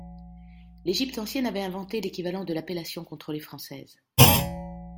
L'Égypte ancienne avait inventé l'équivalent de l'appellation contrôlée française.